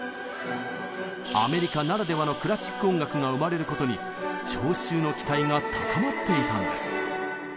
アメリカならではのクラシック音楽が生まれることに聴衆の期待が高まっていたんです。